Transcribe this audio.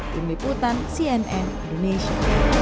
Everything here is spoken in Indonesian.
di liputan cnn indonesia